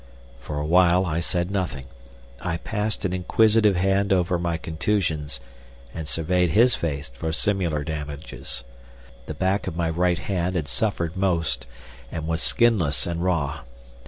For a while I said nothing. I passed an inquisitive hand over my contusions, and surveyed his face for similar damages. The back of my right hand had suffered most, and was skinless and raw.